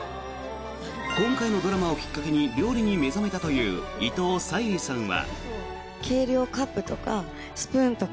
今回のドラマをきっかけに料理に目覚めたという伊藤沙莉さんは。